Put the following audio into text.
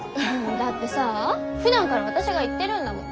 だってさふだんから私が言ってるんだもん。